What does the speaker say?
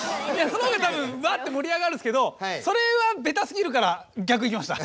そのほうが多分うわってもり上がるんですけどそれはベタすぎるからぎゃくいきました。